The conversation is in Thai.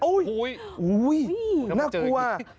โอ้โหน่ากลัว